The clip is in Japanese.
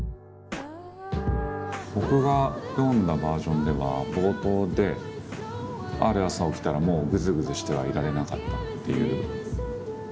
僕が読んだバージョンでは冒頭で「ある朝起きたらもうぐずぐずしてはいられなかった」っていう。